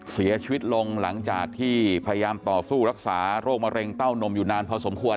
เสียชีวิตลงหลังจากที่พยายามต่อสู้รักษาโรคมะเร็งเต้านมอยู่นานพอสมควร